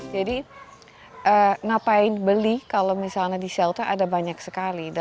jadi kenapa beli kalau di shelter ada banyak sekali